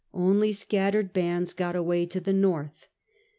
Only scattered bands got away to the north.